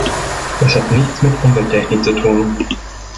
Das hat nichts mit Umwelttechnik zu tun.